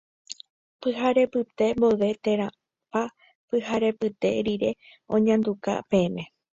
Pyharepyte mboyve térãpa pyharepyte rire oñanduka peẽme.